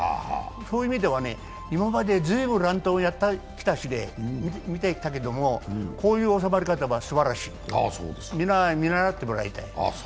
そういう意味では今まで随分、乱闘を見てきたけどもこういう収まり方はすばらしい、皆も見習ってもらいたい。